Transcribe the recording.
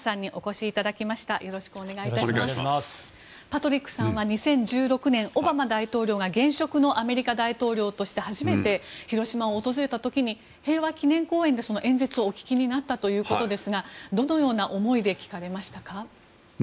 パトリックさんは２０１６年オバマ大統領が現職のアメリカ大統領として初めて広島を訪れた時に平和記念公園で演説をお聞きになったということですがどのような思いで聞かれましたか？